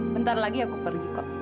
bentar lagi aku pergi kok